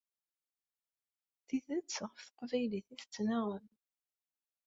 D tidet ɣef teqbaylit i tettnaɣem?